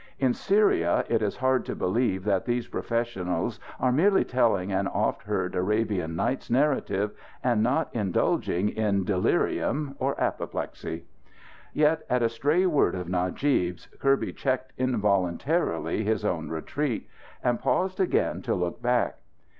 In Syria it is hard to believe that these professionals are merely telling an oft heard Arabian Nights narrative; and not indulging in delirium or apoplexy. Yet at a stray word of Najib's, Kirby checked involuntarily his own retreat; and paused again to look back.